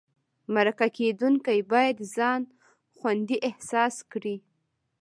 مرکه کېدونکی باید ځان خوندي احساس کړي.